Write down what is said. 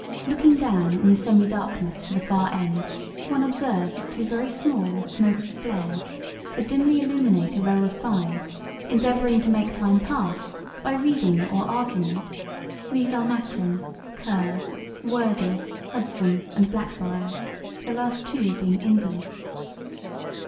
Looking down in the semi darkness to the far end, one observes two very small smoky flares that dimly illuminate a row of five, endeavouring to make time pass by reading or argument. These are Macklin, Kerr, Wordie, Hudson, and Blackborrow—the last two being invalids.